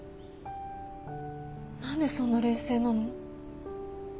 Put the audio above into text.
何でそんな冷静なの？